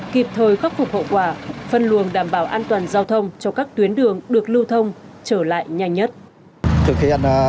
kịp thời khắc phục hậu quả phân luồng đảm bảo an toàn giao thông cho các tuyến đường được lưu thông trở lại nhanh nhất